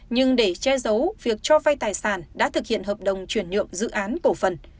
nhưng để che giấu việc cho vay tài sản đã thực hiện hợp đồng chuyển nhượng dự án cổ phần